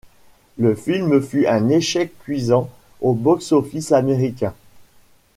Le film fut un échec cuisant au box-office américain.